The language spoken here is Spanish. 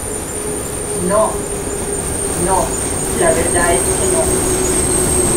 no. no, la verdad es que no .